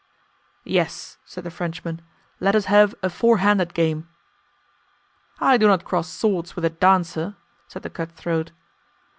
"Yes," said the Frenchman, "let us have a four handed game." "I do not cross swords with a dancer," said the cutthroat.